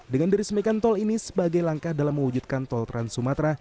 dengan dirismikan tol ini sebagai langkah dalam mewujudkan tol trans sumatra